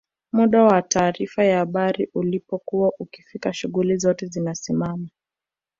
muda wa taarifa ya habari ulipokuwa ukifika shughuli zote zinasimama